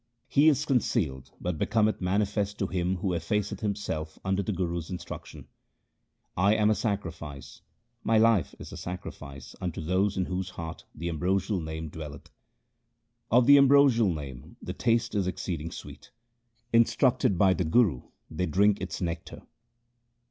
He is concealed, but becometh manifest to him who effaceth himself under the Guru's instruction. I am a sacrifice, my life is a sacrifice unto those in whose heart the ambrosial Name dwelleth. Of the ambrosial Name the taste is exceeding sweet ; in structed by the Guru they drink its nectar.